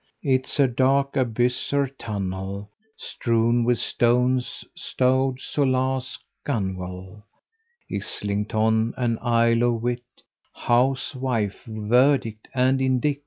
It's a dark abyss or tunnel, Strewn with stones, like rowlock, gunwale, Islington and Isle of Wight, Housewife, verdict and indict!